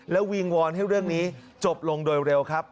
แล้ววิงวอนให้เรื่องนี้จบลงโดยเร็วครับ